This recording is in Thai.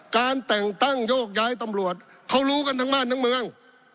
การแต่งตั้งโยกย้ายตำรวจเขารู้กันทั้งบ้านทั้งเมือง